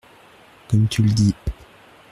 Comme tu le dis.